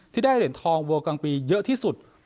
ที่ได้เหรียญทองโวกลางปีเยอะที่สุด